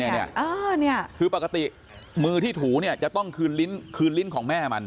อันนี้คือปกติมือที่ถูจะต้องคืนลิ้นของแม่มัน